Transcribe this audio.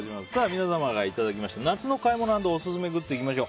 皆様からいただきました夏の買い物＆オススメグッズです。